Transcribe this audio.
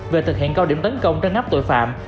về thực hiện cao điểm tấn công trân ngắp tội phạm